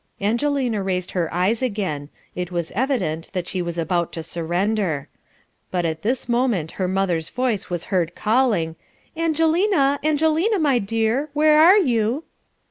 Angelina raised her eyes again. It was evident that she was about to surrender. But at this moment her mother's voice was heard calling, "Angelina, Angelina, my dear, where are you?"